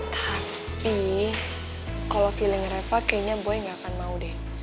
tapi kalau feeling reva kayaknya gue gak akan mau deh